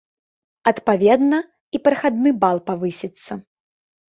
Адпаведна, і прахадны бал павысіцца.